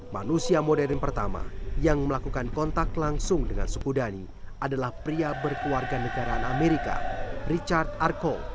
manusia modern pertama yang melakukan kontak langsung dengan suku dhani adalah pria berkeluarga negaraan amerika richard arco